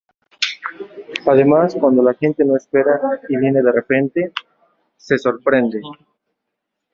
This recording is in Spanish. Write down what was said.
Además, cuando la gente no espera algo y viene de repente, se sorprende.